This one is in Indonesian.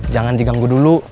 jangan diganggu dulu